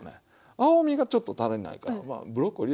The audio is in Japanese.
青みがちょっと足りないからまあブロッコリー入れます？